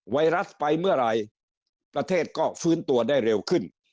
ไวรัสไปเมื่อไหร่ประเทศก็ฟื้นตัวได้เร็วขึ้น